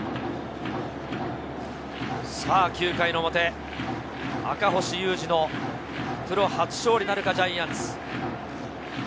９回の表、赤星優志のプロ初勝利なるかジャイアンツ。